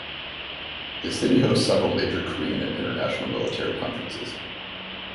The city hosts several major Korean and international military conferences.